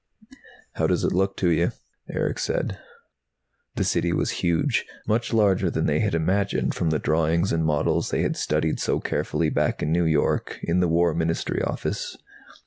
"How does it look to you?" Erick said. The City was huge, much larger than they had imagined from the drawings and models they had studied so carefully back in New York, in the War Ministry Office.